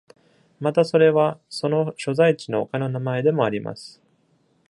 またそれは、その所在地の丘の名前でもあります。